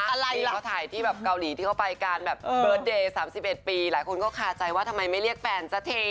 ที่เขาถ่ายที่แบบเกาหลีที่เขาไปการแบบเบิร์ตเดย์๓๑ปีหลายคนก็คาใจว่าทำไมไม่เรียกแฟนสักที